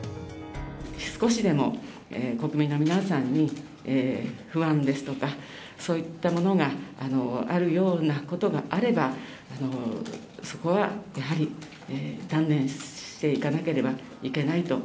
少しでも国民の皆さんに不安ですとか、そういったものがあるようなことがあれば、そこはやはり、断念していかなければいけないと。